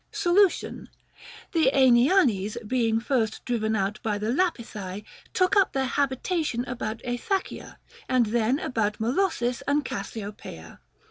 Solution. The Aenianes, being first driven out by the THE GREEK QUESTIONS. 277 Lapithae, took up their habitation about Aethacia, and then about Molossis and Cassiopaea.